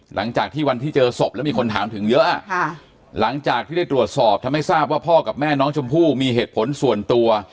หลังจากที่วันที่เจอศพแล้วมีคนถามถึงเยอะหลังจากที่ได้ตรวจสอบทำให้ทราบว่าพ่อกับแม่น้องชมพู่มีเหตุผลส่วนตัว